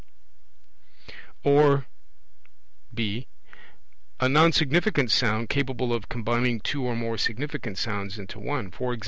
Or (b) a non significant sound capable of combining two or more significant sounds into one; e.g.